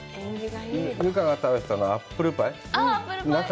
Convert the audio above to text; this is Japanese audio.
留伽が食べてたアップルパイ？